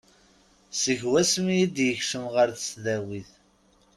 Seg wasmi i d-yekcem ɣer tesdawit.